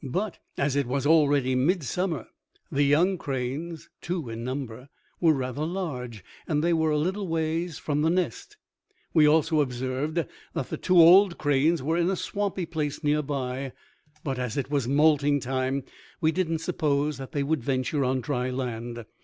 But, as it was already midsummer, the young cranes two in number were rather large and they were a little way from the nest; we also observed that the two old cranes were in a swampy place near by; but, as it was moulting time, we did not suppose that they would venture on dry land.